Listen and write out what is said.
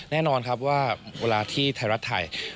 แน่นอนครับว่าเวลาที่ไทยรัฐไทย